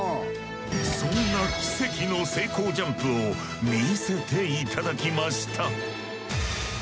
そんな奇跡の成功ジャンプを見せて頂きました。